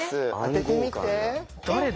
誰だ？